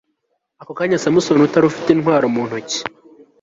ako kanya samusoni utari ufite intwaro mu ntoki